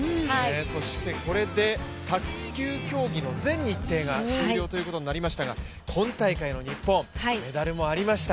そして、これで卓球競技の全日程が終了ということになりましたが今大会の日本、メダルもありました。